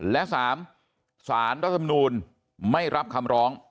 และ๓สารรัฐธรรมนูลไม่รับคำร้อง